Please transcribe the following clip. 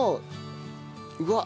うわっ。